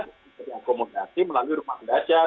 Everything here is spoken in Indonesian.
diterima komodasi melalui rumah belajar